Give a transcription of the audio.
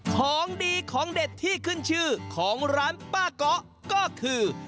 ของดีของเด็ดที่ขึ้นชื่อของร้านป้าเกาะก็คือ